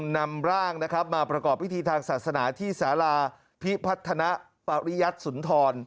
นำร่างนะครับมาประกอบพิธีทางศาสนาที่สาราพิพัฒนาปริยัติสุนทร